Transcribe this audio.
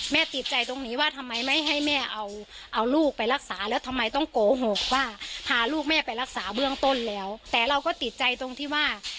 ติดใจตรงนี้ว่าทำไมไม่ให้แม่เอาเอาลูกไปรักษาแล้วทำไมต้องโกหกว่าพาลูกแม่ไปรักษาเบื้องต้นแล้วแต่เราก็ติดใจตรงที่ว่า